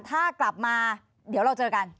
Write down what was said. ถ้ากลับมาเดี๋ยวเราเจอกัน